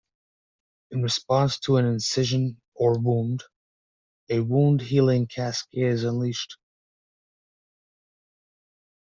In response to an incision or wound, a wound healing cascade is unleashed.